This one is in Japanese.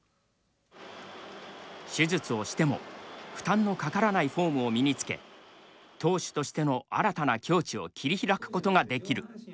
手術をしても負担のかからないフォームを身につけ投手としての新たな境地を切り開くことができる。